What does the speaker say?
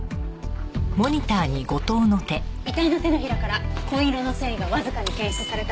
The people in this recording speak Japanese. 遺体の手のひらから紺色の繊維がわずかに検出されたわ。